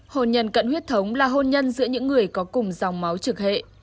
hồn nhân cận huyết thống là hôn nhân giữa những người có cùng dòng máu trực hệ